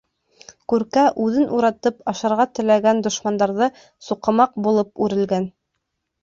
Күркә үҙен уратып, ашарға теләгән дошмандарҙы суҡымаҡ булып үрелгән.